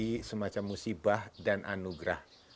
menjadi semacam musibah dan anugerah